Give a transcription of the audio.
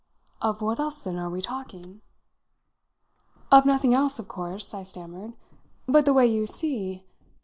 "Of what else then are we talking?" "Of nothing else, of course," I stammered. "But the way you see